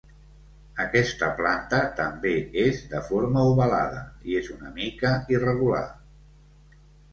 Aquesta planta també és de forma ovalada i és una mica irregular.